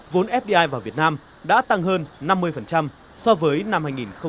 vốn fdi vào việt nam đã tăng hơn năm mươi so với năm hai nghìn một mươi bảy